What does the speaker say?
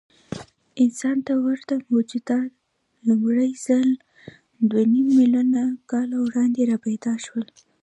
انسان ته ورته موجودات لومړی ځل دوهنیممیلیونه کاله وړاندې راپیدا شول.